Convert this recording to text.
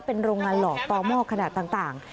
เป็นโรงงานหลอกต่อหม้อขนาดต่าง